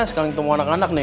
sekarang ketemu anak anak nih